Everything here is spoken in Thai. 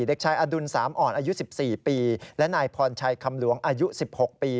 เด็กชายอดุลสามอ่อนอายุ๑๔ปีและนายพรชัยคำหลวงอายุ๑๖ปี